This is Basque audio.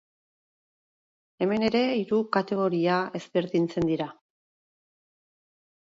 Hemen ere hiru kategoria ezberdintzen dira.